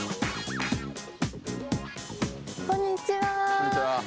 こんにちは。